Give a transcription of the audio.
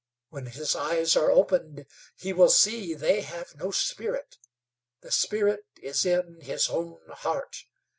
When his eyes are opened he will see they have no spirit. The spirit is in his own heart.